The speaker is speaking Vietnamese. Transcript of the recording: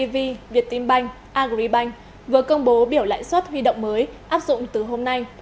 vừa công bố biểu lãi suất huy động mới áp dụng từ hôm nay